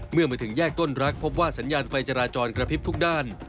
เมื่อมาถึงแยกต้นรักพบว่าสัญญาณไฟจราจรกระพริบทุกด้าน